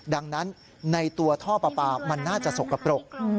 ดังนั้นในตัวท่อปลาปลามันน่าจะสกปรก